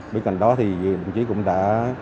bên cạnh đó thì đồng chí cũng đã